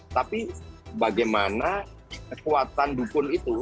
tapi bagaimana kekuatan dukun itu